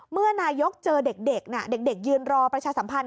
เมื่อนายกเจอเด็กเด็กยืนรอประชาสัมพันธ